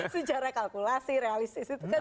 sejarah kalkulasi realistis itu kan